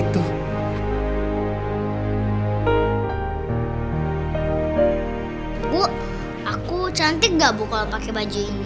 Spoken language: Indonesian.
ibu aku cantik gak bu kalau pakai baju ini